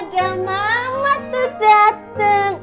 ada mama tuh dateng